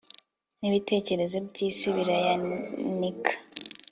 n'ibitereko by'isi biriyanika